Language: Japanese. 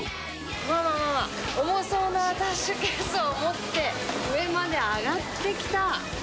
わーわーわー、重そうなアタッシュケースを持って、上まで上がってきた。